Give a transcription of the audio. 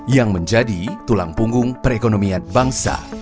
yang menjadi tulang punggung perekonomian bangsa